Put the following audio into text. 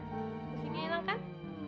bersihnya enak kan